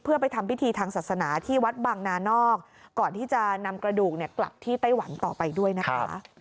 เพื่อไปทำพิธีทางศาสนาที่วัดบางนานอกก่อนที่จะนำกระดูกกลับที่ไต้หวันต่อไปด้วยนะคะ